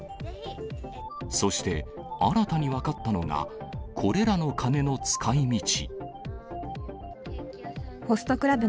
そして、新たに分かったのが、これらの金の使いみち。